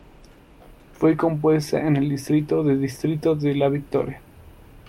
Fue compuesta en el distrito de distrito de La Victoria.